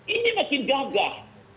ini makin gagah